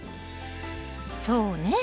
そうね。